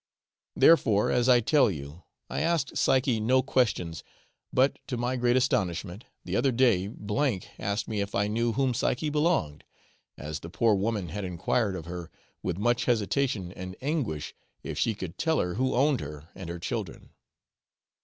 Therefore, as I tell you, I asked Psyche no questions, but, to my great astonishment, the other day M asked me if I knew to whom Psyche belonged, as the poor woman had enquired of her with much hesitation and anguish if she could tell her who owned her and her children.